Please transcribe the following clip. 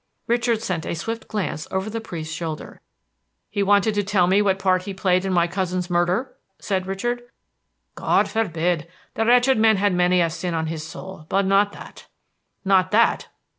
Richard sent a swift glance over the priest's shoulder. "He wanted to tell me what part he had played in my cousin's murder?" said Richard. "God forbid! the wretched man had many a sin on his soul, but not that." "Not that!"